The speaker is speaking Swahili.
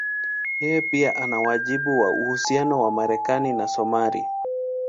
Yeye pia ana wajibu kwa uhusiano wa Marekani na Somalia.